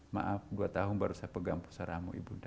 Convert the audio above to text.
maaf dua tahun baru saya pegang pusara amu ibunda